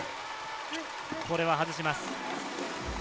これは外します。